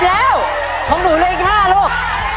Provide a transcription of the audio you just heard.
แล้วของหนูเหลืออีก๕ลูก